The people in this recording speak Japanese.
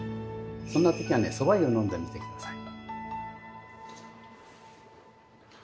そんな時はねそば湯を飲んでみて下さい。